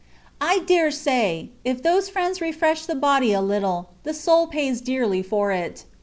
* I dare say, if those friends refresh the body a little, the soul pays dear for it.